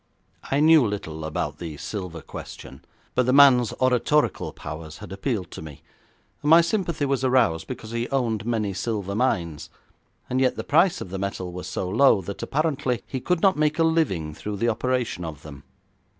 I knew little about the silver question, but the man's oratorical powers had appealed to me, and my sympathy was aroused because he owned many silver mines, and yet the price of the metal was so low that apparently he could not make a living through the operation of them.